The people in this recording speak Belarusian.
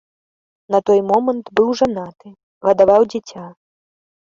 На той момант быў жанаты, гадаваў дзіця.